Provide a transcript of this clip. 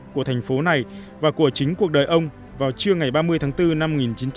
của thành phố này và của chính cuộc đời ông vào trưa ngày ba mươi tháng bốn năm một nghìn chín trăm bảy mươi